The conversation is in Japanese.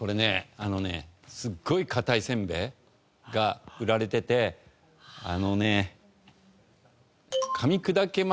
あのねすごい硬いせんべいが売られててあのね。